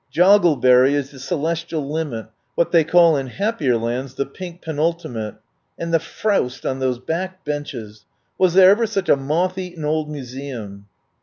Joggleberry is the celestial limit, what they call in happier lands the pink penultimate. And the frowst on those back benches! Was there ever such a moth eaten old museum?"